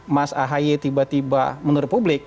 mas ahaye tiba tiba menurut publik